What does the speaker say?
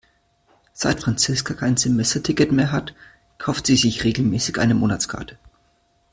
Seit Franziska kein Semesterticket mehr hat, kauft sie sich regelmäßig eine Monatskarte.